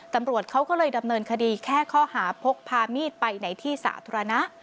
ตำรวจเขาก็เลยดำเนินคดีแค่ข้อหาพกพามีดไปในที่สาธารณะ